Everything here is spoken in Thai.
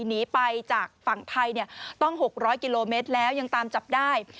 หนีไปจากฝั่งไทยต้อง๖๐๐กิโลเมตรแล้วยังตามจับได้